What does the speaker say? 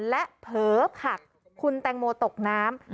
และเผลอผักคุณแตงโมตกน้ำ